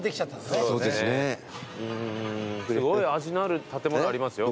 すごい味のある建物ありますよ。